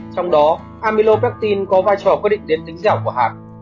trong đó amylopeptin có vai trò quyết định đến tính dẻo của hạt